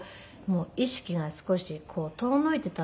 意識が少し遠のいていたんでしょうか。